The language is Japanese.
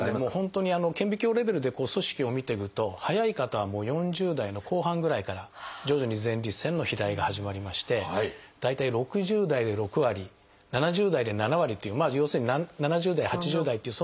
本当に顕微鏡レベルで組織を見ていくと早い方はもう４０代の後半ぐらいから徐々に前立腺の肥大が始まりまして大体６０代で６割７０代で７割という要するに７０代８０代っていう